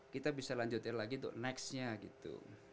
kita bisa lanjutin lagi untuk nextnya gitu